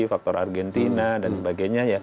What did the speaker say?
faktor argentina dan sebagainya